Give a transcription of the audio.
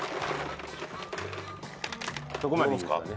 そこまででいいですからね。